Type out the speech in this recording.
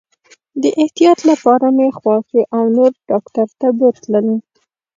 د احتیاط لپاره مې خواښي او نور ډاکټر ته بوتلل.